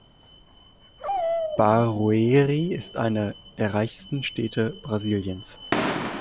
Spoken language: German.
Barueri ist eine der reichsten Städte Brasiliens.